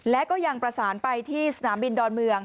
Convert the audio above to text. และก็ยังประสานไปที่สนามบินดอนเมือง